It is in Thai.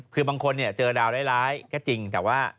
คือบางคนเจอดาวร้ายก็จริงแต่ว่า